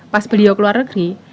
pas beliau keluar negeri